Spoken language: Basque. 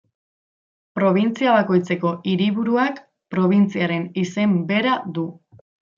Probintzia bakoitzeko hiriburuak probintziaren izen bera du.